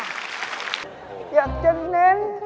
อยากจะนิ้ง